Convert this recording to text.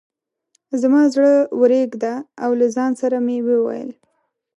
زما زړه ورېږده او له ځان سره مې وویل.